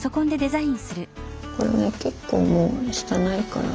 これね結構もう下ないから。